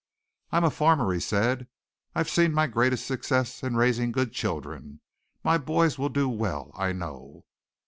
"I'm a farmer," he said. "I've seen my greatest success in raising good children. My boys will do well, I know."